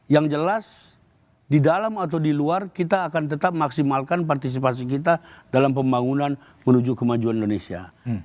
yang jelas di dalam atau di luar kita akan tetap maksimalkan partisipasi kita dalam pembangunan menuju kemajuan indonesia